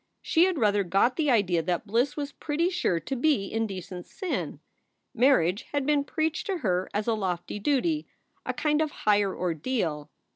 She had rather got the idea that bliss was pretty sure to be indecent sin. Marriage had been preached to her as a lofty duty, a kind of higher ordeal.